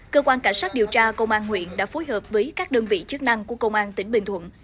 cơ quan cảnh sát điều tra công an huyện đã phối hợp với các đơn vị chức năng của công an tỉnh bình thuận